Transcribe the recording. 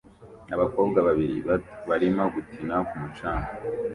Abakobwa babiri bato barimo gukina ku mucanga